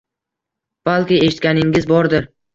Balki eshitganingiz bordir: